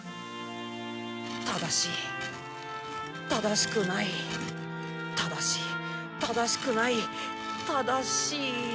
正しい正しくない正しい正しくない正しい。